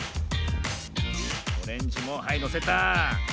オレンジもはいのせた。